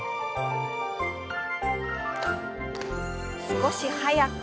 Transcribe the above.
少し速く。